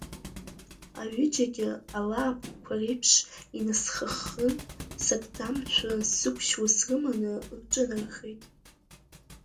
Аҩыџьагьы алаапкқәа реиԥш инасхаххын, сакӡамшәа сықәшьуа срыманы, рҿынархеит.